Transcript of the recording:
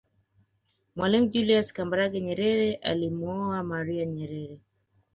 Mwalimu julius Kambarage Nyerere alimuoa maria Nyerere